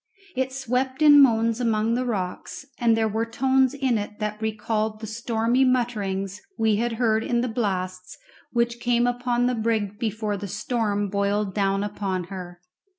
It swept in moans among the rocks, and there were tones in it that recalled the stormy mutterings we had heard in the blasts which came upon the brig before the storm boiled down upon her.